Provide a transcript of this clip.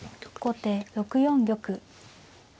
後手６四玉。